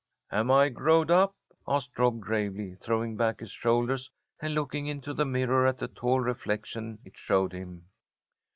"Am I growed up?" asked Rob gravely, throwing back his shoulders and looking into the mirror at the tall reflection it showed him.